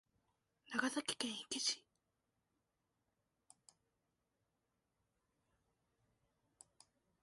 長崎県壱岐市